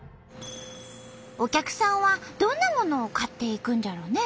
お客さんはどんなものを買っていくんじゃろうね？